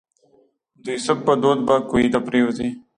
د یوسف په دود به کوهي ته پرېوځي.